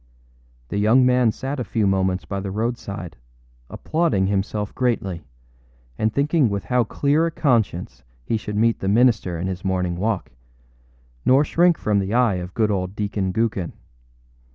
The young man sat a few moments by the roadside, applauding himself greatly, and thinking with how clear a conscience he should meet the minister in his morning walk, nor shrink from the eye of good old Deacon Gookin.